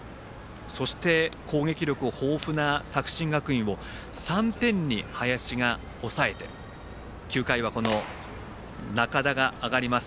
そして、攻撃力豊富な作新学院を３点に林が抑えて９回は中田が上がります。